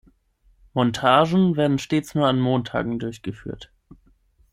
Montagen werden stets nur an Montagen durchgeführt.